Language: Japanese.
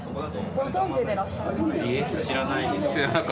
ご存じでいらっしゃいますか？